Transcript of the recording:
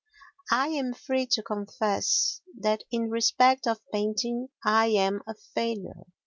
I am free to confess that in respect of painting I am a failure.